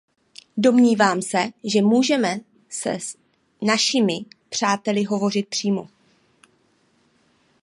Domnívám se, že můžeme se našimi přáteli hovořit přímo.